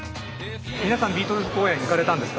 皆さんビートルズ公演行かれたんですか？